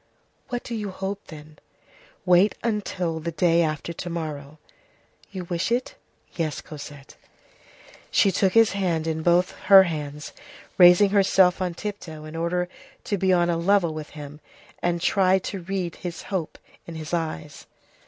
"What do you hope, then?" "Wait until the day after to morrow." "You wish it?" "Yes, Cosette." She took his head in both her hands, raising herself on tiptoe in order to be on a level with him, and tried to read his hope in his eyes.